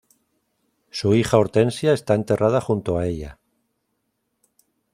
Su hija Hortensia está enterrada junto a ella.